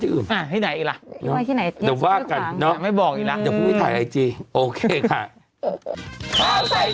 ที่ไหนอีกล่ะน้องบ้ากันเนอะไม่บอกอีกล่ะอย่าพูดถ่ายไอจีโอเคค่ะ